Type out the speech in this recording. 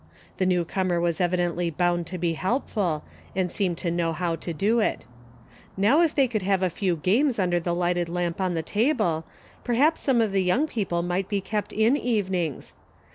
The newcomer was evi dently bound to be helpful, and seemed to know how to do it. Now if they could have a few games under the lighted lamp on the table, perhaps some of the young people might be kept in evenings.